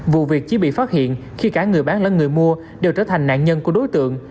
vụ việc chỉ bị phát hiện khi cả người bán lẫn người mua đều trở thành nạn nhân của đối tượng